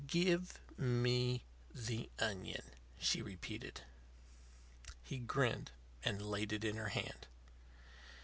"Give me the onion," she repeated. He grinned, and laid it in her hand.